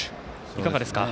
いかがですか？